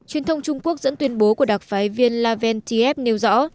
truyền thông trung quốc dẫn tuyên bố của đặc phái viên laventiev nêu rõ